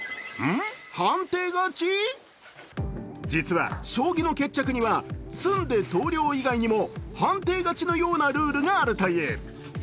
実は将棋の決着には詰んで投了以外にも判定勝ちのようなルールがあるという。